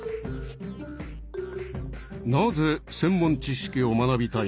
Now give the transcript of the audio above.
なぜ専門知識を学びたいの？